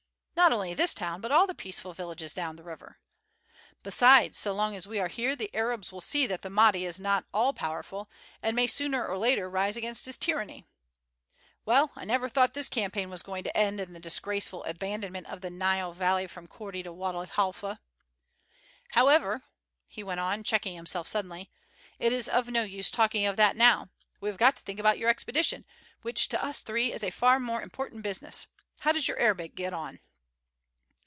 Not only this town, but all the peaceful villages down the river. Besides, so long as we are here the Arabs will see that the Mahdi is not all powerful, and may sooner or later rise against his tyranny. Well, I never thought this campaign was going to end in the disgraceful abandonment of the Nile Valley from Korti to Wady Halfa. However," he went on, checking himself suddenly, "it is of no use talking of that now; we have got to think about your expedition, which to us three is a far more important business. How does your Arabic get on?"